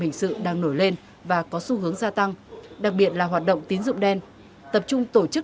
hình sự đang nổi lên và có xu hướng gia tăng đặc biệt là hoạt động tín dụng đen tập trung tổ chức